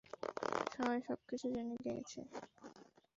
সে সবকিছু জেনে গিয়েছে?